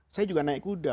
saya juga naik kuda